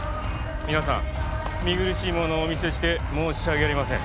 皆さん見苦しいものをお見せして申し訳ありません。